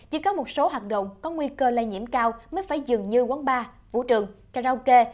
chỉ có một số hoạt động có nguy cơ lây nhiễm cao mới phải dừng như quán bar vũ trường karaoke